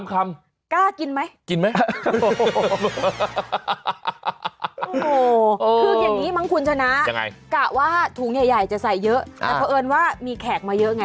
แค่เครื่องมือไม่พอแล้วค่ะ